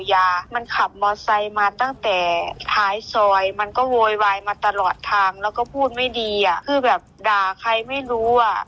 แล้วทีนี้พอสักพักนึงมันก็หยิบไอที่กั้นถนนนะคะ